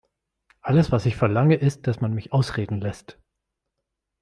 Alles, was ich verlange, ist, dass man mich ausreden lässt.